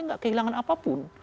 tidak kehilangan apapun